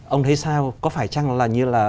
ông thấy sao có phải chăng là như là